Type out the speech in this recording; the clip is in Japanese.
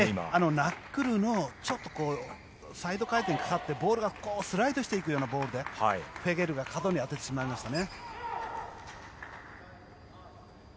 ナックルのちょっとサイド回転かかってボールがスライドしていくようなボールでフェゲルが角に当ててしまいましたね。